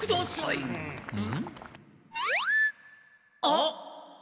あっ。